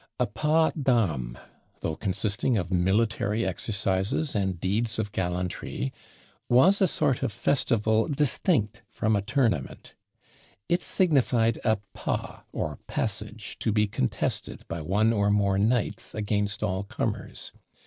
A pas d'armes, though consisting of military exercises and deeds of gallantry, was a sort of festival distinct from a tournament. It signified a pas or passage to be contested by one or more knights against all comers.